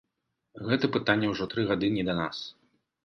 Гэта пытанне ўжо тры гады не да нас.